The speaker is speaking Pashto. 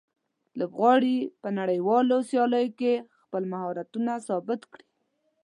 لوبغاړي په نړیوالو سیالیو کې خپل مهارتونه ثابت کړي.